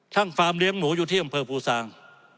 ฟาร์มเลี้ยงหมูอยู่ที่อำเภอภูซาง